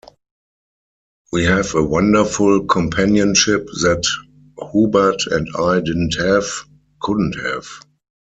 We have a wonderful companionship that Hubert and I didn't have, couldn't have.